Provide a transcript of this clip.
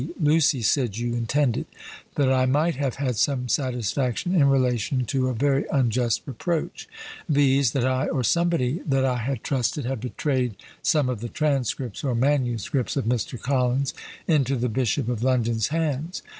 Lucy said you intended, that I might have had some satisfaction in relation to a very unjust reproach viz., that I, or somebody that I had trusted, had betrayed some of the transcripts, or MSS., of Mr. Collins into the Bishop of London's hands.